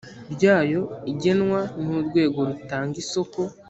ryaryo igenwa n urwego rutanga isoko